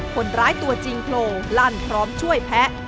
คนร้ายตัวจริงโผล่ลั่นพร้อมช่วยแพ้